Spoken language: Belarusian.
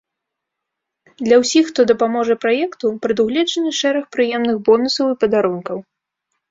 Для ўсіх, хто дапаможа праекту, прадугледжаны шэраг прыемных бонусаў і падарункаў.